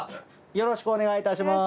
よろしくお願いします。